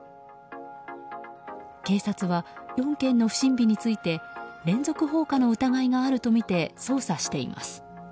警察は４件の不審火について連続放火の疑いがあるとみて捜査しています。